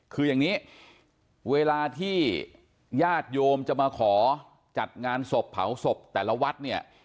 คืออย่างนี้เวลาที่ญาติโยมจะมาขอจัดงานศพเผาศพแต่ละวัดเนี่ย